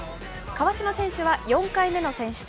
川島選手は４回目の選出。